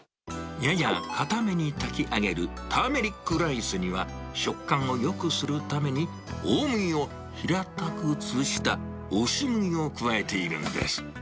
やや硬めに炊き上げるターメリックライスには、食感をよくするために、大麦を平たく潰した押し麦を加えているんです。